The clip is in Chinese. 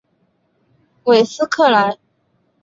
韦斯克莱。